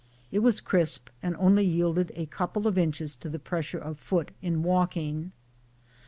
It was crisp and only yielded a couple of inches to the pressure of foot in walking.